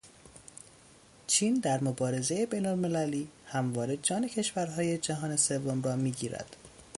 چین در مبارزهٔ بین المللی همواره جان کشورهای جهان سوم را میگیرد.